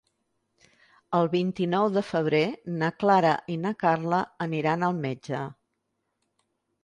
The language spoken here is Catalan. El vint-i-nou de febrer na Clara i na Carla aniran al metge.